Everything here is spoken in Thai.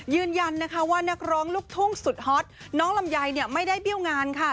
ยืนยันนะคะว่านักร้องลูกทุ่งสุดฮอตน้องลำไยไม่ได้เบี้ยวงานค่ะ